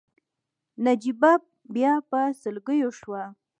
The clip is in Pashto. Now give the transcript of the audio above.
نجيبه بيا په سلګيو شوه.